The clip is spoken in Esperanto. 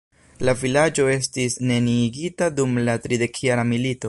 La vilaĝo estis neniigita dum la tridekjara milito.